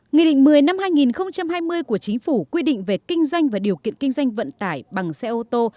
nghị định một mươi năm hai nghìn hai mươi của chính phủ quy định về kinh doanh và điều kiện kinh doanh vận tải bằng xe ô tô